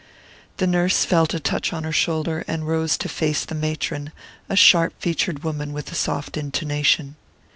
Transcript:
The nurse felt a touch on her shoulder, and rose to face the matron, a sharp featured woman with a soft intonation.